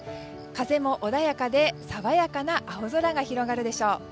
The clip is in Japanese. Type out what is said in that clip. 風も穏やかで爽やかな青空が広がるでしょう。